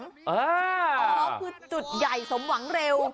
อ๋อคือจุดใหญ่สมหวังเร็ว